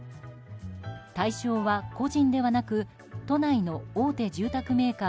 対象は個人ではなく都内の大手住宅メーカー